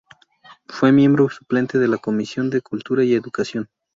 Fue miembro suplente de la comisión de Cultura y Educación.